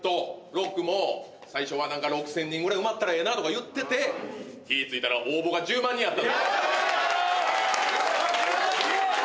ＲＯＣＫももう最初は６０００人ぐらい埋まったらええなと言ってて気ついたら応募が１０万人やった。